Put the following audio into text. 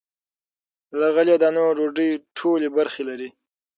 له غلې- دانو ډوډۍ ټولې برخې لري.